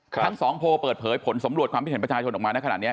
ทั้งสองโพลเปิดเผยผลสำรวจความคิดเห็นประชาชนออกมานะขนาดนี้